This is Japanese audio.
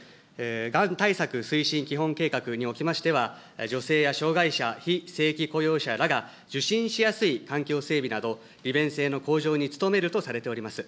がん対策推進基本計画におきましては、女性や障害者、非正規雇用者らが受診しやすい環境整備など、利便性の向上に努めるとされております。